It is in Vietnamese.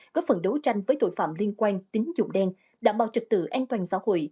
góp phần đấu tranh với tội phạm liên quan tính dụng đen đảm bảo trực tự an toàn xã hội